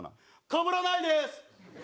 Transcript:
かぶらないです！